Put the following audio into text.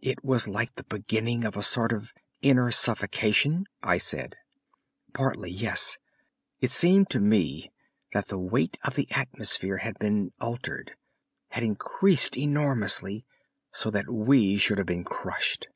"It was like the beginning of a sort of inner suffocation?" I said. "Partly, yes. It seemed to me that the weight of the atmosphere had been altered—had increased enormously, so that we should have been crushed."